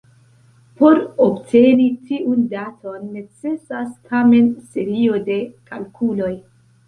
Por obteni tiun daton necesas tamen serio de kalkuloj.